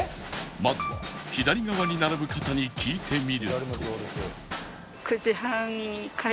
まずは左側に並ぶ方に聞いてみると